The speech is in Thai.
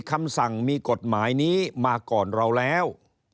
คำสั่งมีกฎหมายนี้มาก่อนเราแล้ว